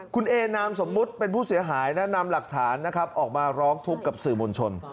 คุณเอนามสมมุติเป็นผู้เสียหายและนำหลักฐานนะครับออกมาร้องทุกข์กับสื่อมวลชน